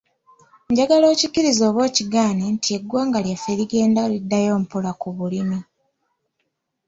Njagala okikkiriza oba okigaane nti eggwanga lyaffe ligenda liddayo mpola ku bulimi.